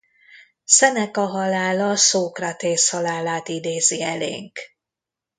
Seneca halála Szókratész halálát idézi elénk.